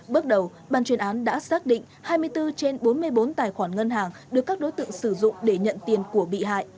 bước đầu ban chuyên án đã xác định hai mươi bốn trên bốn mươi bốn tài khoản ngân hàng được các đối tượng sử dụng để nhận tiền của bị hại